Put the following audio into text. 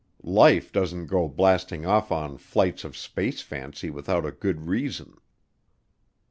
Life doesn't go blasting off on flights of space fancy without a good reason.